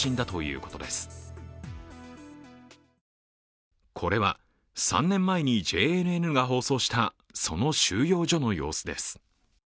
これは３年前にＪＮＮが放送したその収容所の様子です。